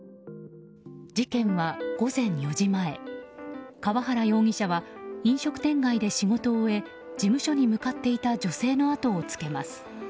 事件は、午前４時前川原容疑者は飲食店街で仕事を終え事務所に向かっていた女性のあとをつけます。